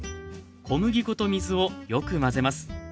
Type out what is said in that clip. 小麦粉と水をよく混ぜます。